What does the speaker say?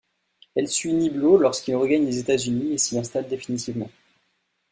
Elle suit Niblo lorsqu'il regagne les États-Unis et s'y installe définitivement.